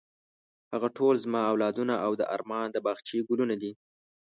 هغه ټول زما اولادونه او د ارمان د باغچې ګلونه دي.